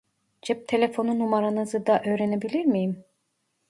Cep telefonu numaranızı da öğrenebilir miyim ?